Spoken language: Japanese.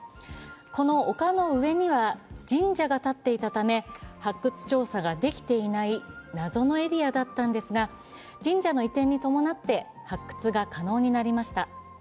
この丘の上には神社が建っていたため、発掘調査ができていない、謎のエリアだったんですが、神社の移転に伴って発掘が可能になりました。